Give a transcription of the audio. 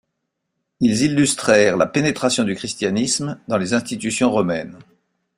Ils illustrèrent la pénétration du christianisme dans les institutions romaines.